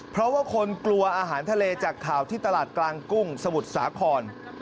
เพราะว่าคนกลัวอาหารทะเลจากข่าวที่ตลาดกลางกุ้งสมุทรสาคร